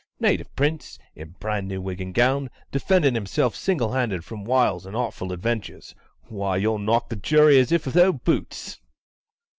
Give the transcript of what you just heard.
Native prince, in brand new wig and gown, defending himself single handed from wiles of artful adventuress why, you'll knock the jury as if with old boots!"